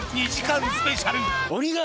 ２時間スペシャル。